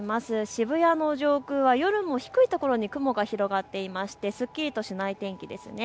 渋谷の上空は夜も低い所に雲が広がっていまして、すっきりとしない天気です。